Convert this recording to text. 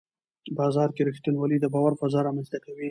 بازار کې رښتینولي د باور فضا رامنځته کوي